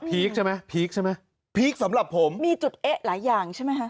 คใช่ไหมพีคใช่ไหมพีคสำหรับผมมีจุดเอ๊ะหลายอย่างใช่ไหมคะ